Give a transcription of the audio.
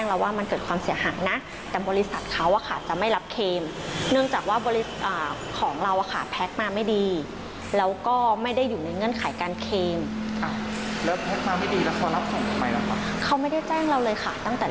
เราไม่ส่งแน่ค่ะพี่ของมันมีมูลค่า